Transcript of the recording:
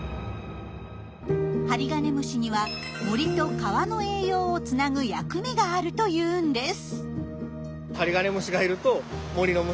ハリガネムシには森と川の栄養をつなぐ役目があるというんです。